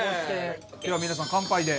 では皆さん乾杯で。